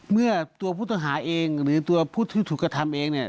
เมื่อตัวผู้ต้องหาเองหรือตัวผู้ที่ถูกกระทำเองเนี่ย